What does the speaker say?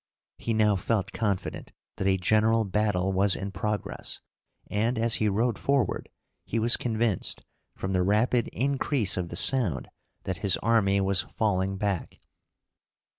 He now felt confident that a general battle was in progress, and, as he rode forward, he was convinced, from the rapid increase of the sound, that his army was failing back.